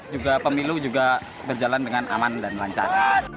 juga pemilu juga berjalan dengan aman dan lancar